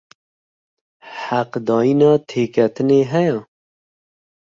Heqdayina têketinê heye?